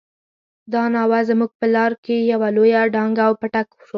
دا ناوه زموږ په لاره کې يوه لويه ډانګه او پټک شو.